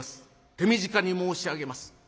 手短に申し上げます。